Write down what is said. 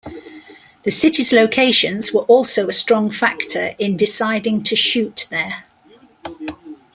The city's locations were also a strong factor in deciding to shoot there.